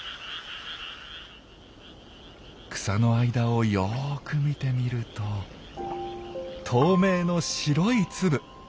草の間をよく見てみると透明の白い粒。